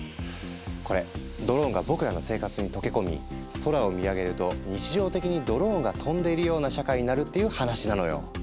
これドローンが僕らの生活に溶け込み空を見上げると日常的にドローンが飛んでいるような社会になるっていう話なのよ。